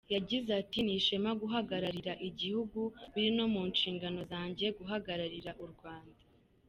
Yagize ati “Ni ishema guhagararira igihugu, biri no mu nshingano zanjye guhagararira u Rwanda.